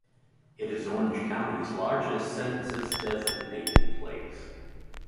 It is Orange County's largest census-designated place.